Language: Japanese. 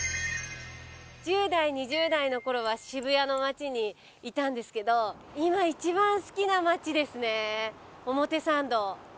１０代２０代のころは渋谷の街にいたんですけど今一番好きな街ですね表参道。